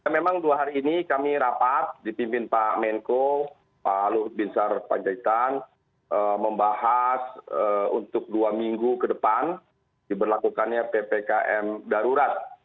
memang dua hari ini kami rapat dipimpin pak menko pak luhut bin sar panjaitan membahas untuk dua minggu ke depan diberlakukannya ppkm darurat